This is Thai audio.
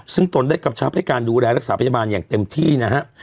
ซึ่งตนได้กำชับให้การดูแลรักษาพยาบาลอย่างเต็มที่นะฮะ